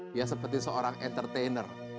dia seperti seorang entertainer